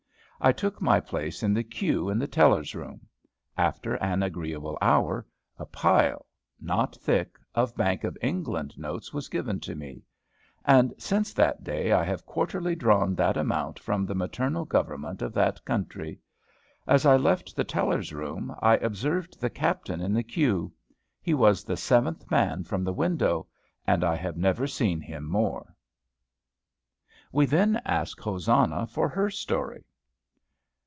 I took my place in the queue in the teller's room. After an agreeable hour, a pile, not thick, of Bank of England notes was given to me; and since that day I have quarterly drawn that amount from the maternal government of that country. As I left the teller's room, I observed the captain in the queue. He was the seventh man from the window, and I have never seen him more. We then asked Hosanna for her story.